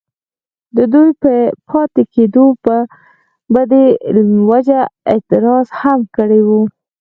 ددوي پۀ پاتې کيدو پۀ دې وجه اعتراض هم کړی وو،